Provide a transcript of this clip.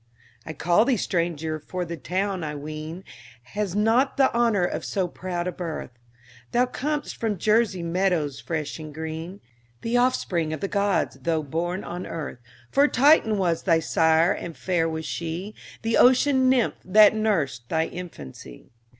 I call thee stranger, for the town, I ween, Has not the honor of so proud a birth: Thou com'st from Jersey meadows, fresh and green, The offspring of the gods, though born on earth; For Titan was thy sire, and fair was she, The ocean nymph that nursed thy infancy.